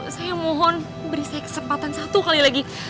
saya mohon beri saya kesempatan satu kali lagi